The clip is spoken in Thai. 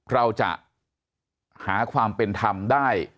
เราจะหาความเป็นธรรมได้